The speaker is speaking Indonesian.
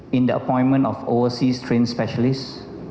di bidang patologi forensik